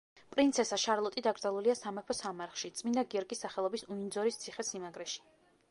პრინცესა შარლოტი დაკრძალულია სამეფო სამარხში, წმინდა გიორგის სახელობის უინძორის ციხე-სიმაგრეში.